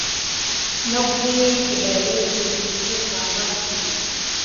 Nok vimi gudala ikume zele dabin mulmuke sula mis daya.